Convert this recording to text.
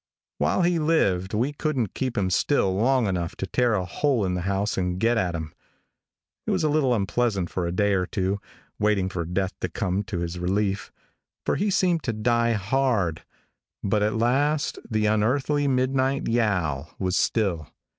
While he lived we couldn't keep him still long enough to tear a hole in the house and get at him. It was a little unpleasant for a day or two waiting for death to come to his relief, for he seemed to die hard, but at last the unearthly midnight yowl was still.